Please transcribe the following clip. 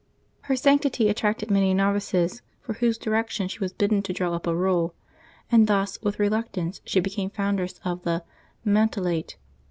Her sanctity attracted many novices, for whose direction she was bidden to draw up a rule, and thus with reluctance she became foundress of the " Mantellate.'